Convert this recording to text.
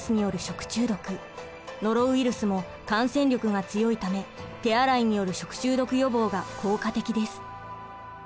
ノロウイルスも感染力が強いため手洗いによる食中毒予防が効果的です。